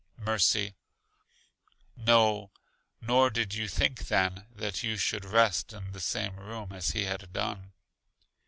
Mercy: No, nor did you think then that you should rest in the same room as he had done.